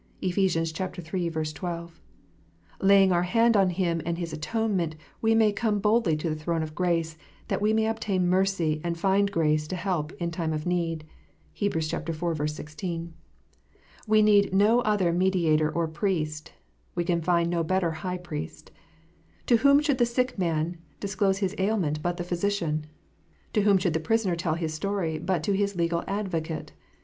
(Ephes. iii. 12.) Laying our hand on Him and His atonement, we may " come boldly to the throne of grace, that we may obtain mercy and find grace to help in time of need." (Heb. iv. 16.) We need no other Mediator or Priest. We can find no better High Priest. To whom should the sick man disclose his ailment, but the physician 1 To whom should the prisoner tell his story, but to his legal advocate